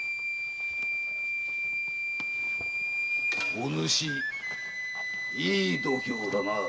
お主いい度胸だな。